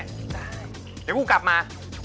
เดี๋ยวกูกลับมา